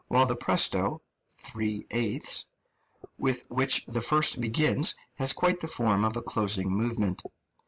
while the presto, 3 8, with which the first begins has quite the form of a closing movement.